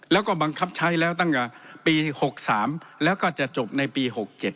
แล้วก็บังคับใช้แล้วตั้งแต่ปี๖๓แล้วก็จะจบในปี๖๗